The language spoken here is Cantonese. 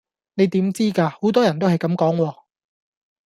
你點知㗎？好多人都係咁講喎